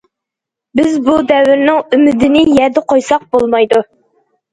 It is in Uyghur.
بىز بۇ دەۋرنىڭ ئۈمىدىنى يەردە قويساق بولمايدۇ.